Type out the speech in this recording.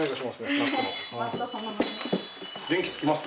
電気つきます？